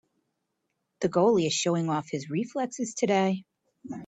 The goalie is showing off his reflexes today.